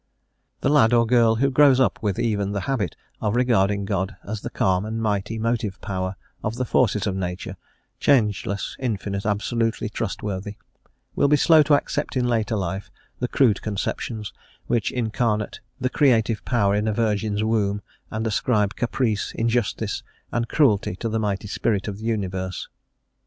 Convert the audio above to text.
The lad or girl who grows up with even the habit of regarding God as the calm and mighty motive power of the forces of Nature, changeless, infinite, absolutely trustworthy, will be slow to accept in later life the crude conceptions which incarnate the creative power in a virgin's womb, and ascribe caprice, injustice, and cruelty to the mighty Spirit of the Universe.